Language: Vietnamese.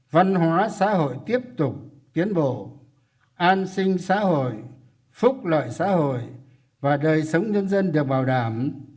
văn hóa xã hội tiếp tục tiến bộ an sinh xã hội phúc lợi xã hội và đời sống nhân dân được bảo đảm